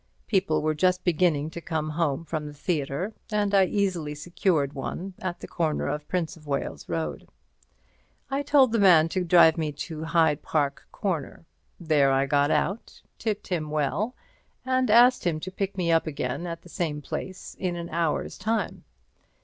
People were just beginning to come home from the theatre, and I easily secured one at the corner of Prince of Wales Road. I told the man to drive me to Hyde Park Corner. There I got out, tipped him well, and asked him to pick me up again at the same place in an hour's time.